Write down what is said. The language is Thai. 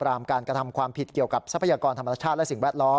รามการกระทำความผิดเกี่ยวกับทรัพยากรธรรมชาติและสิ่งแวดล้อม